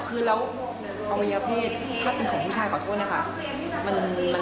คือความเยี่ยมแพทย์ถ้าเป็นของผู้ชายขอโทษนะคะ